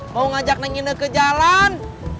mau ngajak neng ineke jalan